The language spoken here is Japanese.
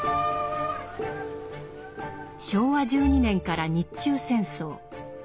昭和１２年から日中戦争